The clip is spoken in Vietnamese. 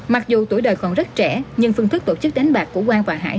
mặc dù tuổi đời còn rất trẻ nhưng phương thức tổ chức đánh bạc của quang và hải